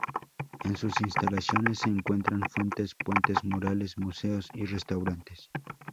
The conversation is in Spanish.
En sus instalaciones se encuentran fuentes, puentes, murales, museos y restaurantes.